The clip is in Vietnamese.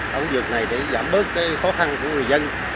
công việc này để giảm bớt khó khăn của người dân